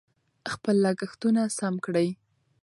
خپل لګښتونه سم کړئ.